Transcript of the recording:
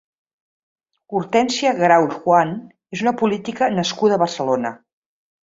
Hortènsia Grau Juan és una política nascuda a Barcelona.